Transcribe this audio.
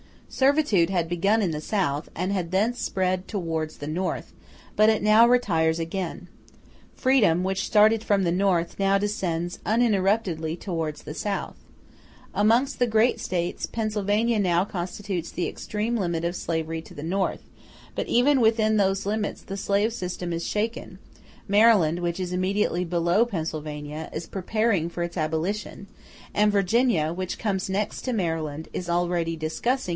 Servitude had begun in the South, and had thence spread towards the North; but it now retires again. Freedom, which started from the North, now descends uninterruptedly towards the South. Amongst the great States, Pennsylvania now constitutes the extreme limit of slavery to the North: but even within those limits the slave system is shaken: Maryland, which is immediately below Pennsylvania, is preparing for its abolition; and Virginia, which comes next to Maryland, is already discussing its utility and its dangers.